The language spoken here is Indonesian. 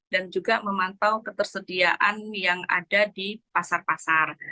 dan juga memantau kesediaan yang ada di pasar pasar